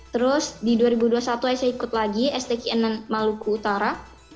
terus di dua ribu dua puluh satu aisyah ikut lagi stkn maluku utara